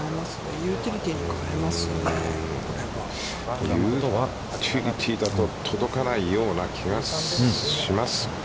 ユーティリティーだと、届かないような気がしますが。